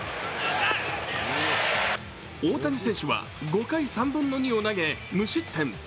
大谷選手は５回３分の２を投げ無失点。